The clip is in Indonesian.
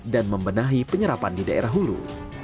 membenahi penyerapan di daerah hulu